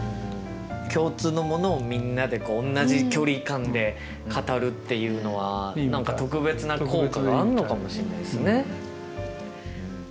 共通のものをみんなで同じ距離感で語るっていうのは何か特別な効果があるのかもしれないですね。